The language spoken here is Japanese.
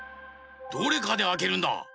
どれかであけるんだ。